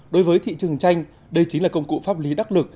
đối với thị trường tranh đây chính là công cụ pháp lý đắc lực